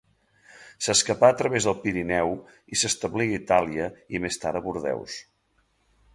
S'escapà a través del Pirineu i s'establí a Itàlia i més tard a Bordeus.